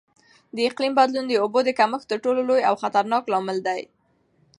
د اقلیم بدلون د اوبو د کمښت تر ټولو لوی او خطرناک لامل دی.